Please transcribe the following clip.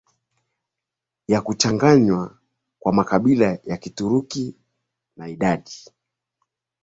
ya kuchanganywa kwa makabila ya Kituruki na idadi